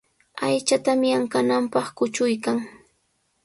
Aychatami ankananpaq kuchuykan.